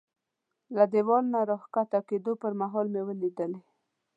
له دېوال نه د را کښته کېدو پر مهال مې ولیدلې.